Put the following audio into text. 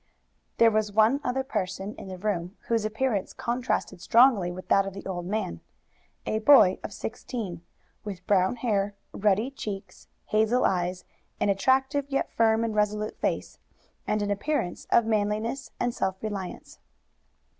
There was one other person in the room whose appearance contrasted strongly with that of the old man a boy of sixteen, with brown hair, ruddy cheeks, hazel eyes, an attractive yet firm and resolute face, and an appearance of manliness and self reliance.